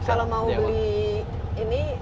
kalau mau beli ini